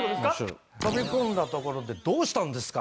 飛び込んだところで「どうしたんですか！？